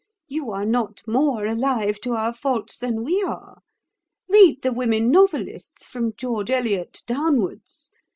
You are not more alive to our faults than we are. Read the women novelists from George Eliot downwards.